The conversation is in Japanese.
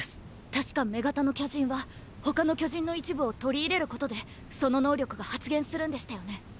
確か「女型の巨人」は他の巨人の一部を取り入れることでその能力が発現するんでしたよね？